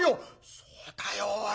「そうだよおい。